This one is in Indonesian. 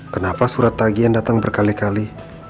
kenapa surat tagian datang berkali kali